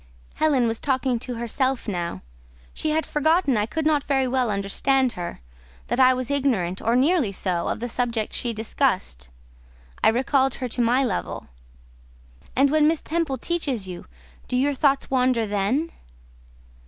Helen was talking to herself now: she had forgotten I could not very well understand her—that I was ignorant, or nearly so, of the subject she discussed. I recalled her to my level. "And when Miss Temple teaches you, do your thoughts wander then?"